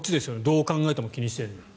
どう考えても気にしてるのは。